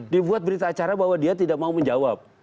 dia buat berita acara bahwa dia tidak mau menjawab